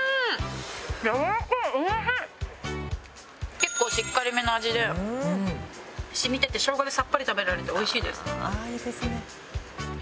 結構しっかりめの味で染みてて生姜でさっぱり食べられて美味しいです。